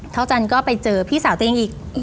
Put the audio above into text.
เท้าจันก็ไปเจอพี่สาวเตือนอีก